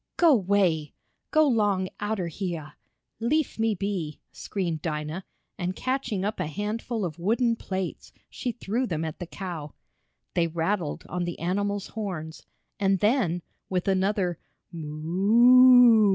"Go 'way! Go 'long outer heah! Leef me be!" screamed Dinah, and catching up a handful of wooden plates she threw them at the cow. They rattled on the animal's horns, and then, with another "Moo!"